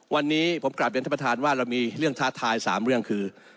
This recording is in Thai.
วันนี้ผมกลับเรียนท่านประธานว่าเรามีเรื่องท้าทาย๓เรื่องคือ